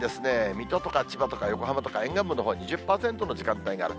水戸とか千葉とか横浜とか沿岸部のほうは２０％の時間帯がある。